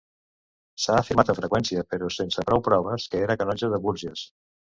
S'ha afirmat amb freqüència, però sense prou proves, que era canonge de Bourges.